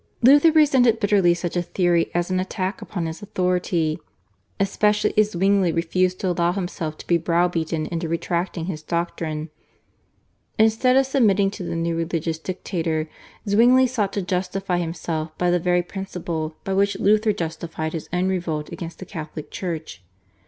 Luther resented bitterly such a theory as an attack upon his authority, especially as Zwingli refused to allow himself to be brow beaten into retracting his doctrine. Instead of submitting to the new religious dictator, Zwingli sought to justify himself by the very principle by which Luther justified his own revolt against the Catholic Church.